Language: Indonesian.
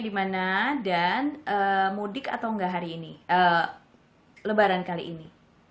dimana dan mudik atau tidak hari ini